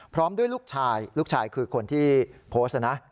พร้อมด้วยลูกชายลูกชายคือคนที่โพสต์นะ